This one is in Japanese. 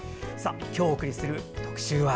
今日お送りする特集は？